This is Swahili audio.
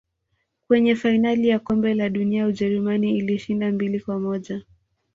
Kwenye fainali ya kombe la dunia ujerumani ilishinda mbili kwa moja